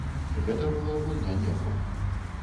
Гэта была гульня нерваў.